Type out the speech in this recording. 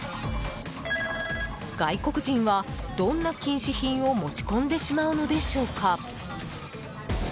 外国人は、どんな禁止品を持ち込んでしまうのでしょうか。